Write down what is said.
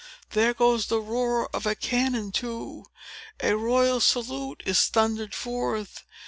There goes the roar of a cannon, too! A royal salute is thundered forth.